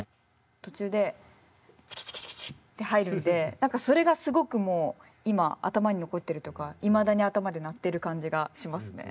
途中でチキチキチキチキって入るんで何かそれがすごくもう今頭に残ってるというかいまだに頭で鳴ってる感じがしますね。